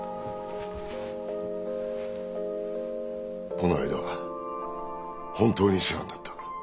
この間は本当に世話になった。